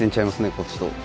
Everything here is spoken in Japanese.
こっちと。